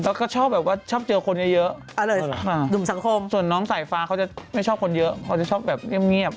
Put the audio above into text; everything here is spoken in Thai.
แล้วก็ชอบเจอคนเยอะส่วนน้องสายฟ้าเขาจะไม่ชอบคนเยอะเขาจะชอบแบบเงียบ